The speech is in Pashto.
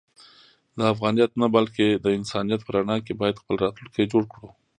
د افغانیت نه بلکې د انسانیت په رڼا کې باید خپل راتلونکی جوړ کړو.